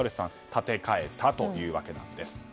立て替えたということなんです。